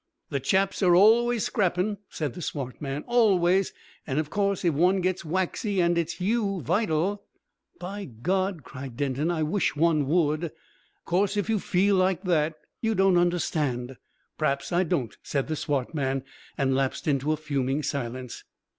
"The chaps are always scrapping," said the swart man. "Always. And, of course if one gets waxy and 'its you vital ..." "By God!" cried Denton; "I wish one would." "Of course, if you feel like that " "You don't understand." "P'raps I don't," said the swart man; and lapsed into a fuming silence.